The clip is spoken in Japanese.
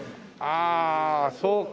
ああそうか。